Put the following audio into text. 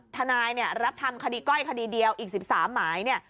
ทนายเนี่ยรับทำคดีก้อยคดีเดียวอีก๑๓หมายเนี่ย